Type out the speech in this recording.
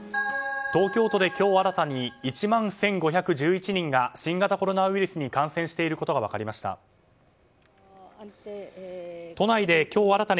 東京都で今日新たに１万１５１１人が新型コロナウイルスに感染していることが分かりました。